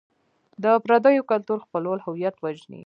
د پردیو کلتور خپلول هویت وژني.